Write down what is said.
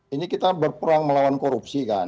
ini kita berperang melawan korupsi kan